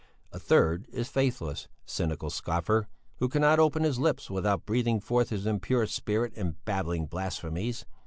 A third is a faithless, cynical scoffer, who cannot open his lips without breathing forth his impure spirit and babbling blasphemies.